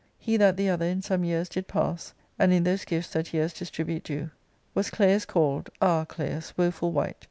He that the other in some years did pass, And in those gifts that years distribute do. Was Claius call'd (ah, CJaius, woeful wight !)